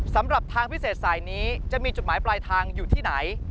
สำหรับทางพิเศษสายนี้จะมีจุดหมายปลายทางอยู่ที่ไหน